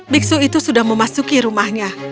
biksu itu sudah memasuki rumahnya